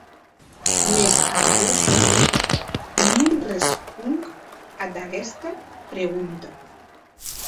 Mès Aliosha non responc ad aguesta pregunta.